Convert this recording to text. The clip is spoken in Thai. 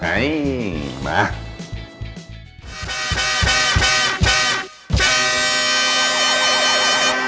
ไอ้มา